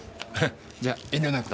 じゃ遠慮なく。